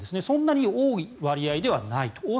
そんなに多い割合ではないと。